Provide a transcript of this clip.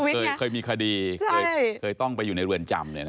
เพราะว่าเคยมีคดีเคยต้องไปอยู่ในเรือนจำเลยนะ